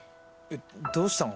どうしたの？